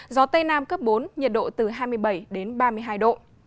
gió tây nam cấp bốn nhiệt độ từ hai mươi bảy đến ba mươi hai độ